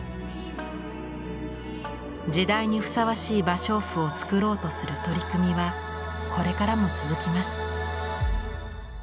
時代にふさわしい芭蕉布を作ろうとする取り組みはこれからも続きます。